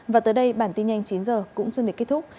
và tới đây bản tin nhanh chín h cũng xin để kết thúc